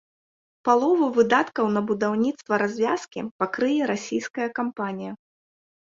Палову выдаткаў на будаўніцтва развязкі пакрые расійская кампанія.